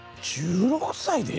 １６歳で？